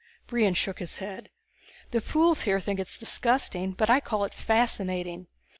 Brion shook his head. "The fools here think it disgusting but I call it fascinating.